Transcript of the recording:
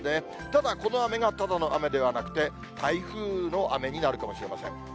ただ、この雨がただの雨ではなくて、台風の雨になるかもしれません。